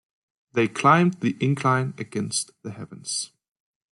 They climbed the incline against the heavens.